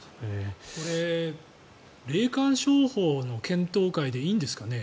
これ、霊感商法の検討会でいいんですかね。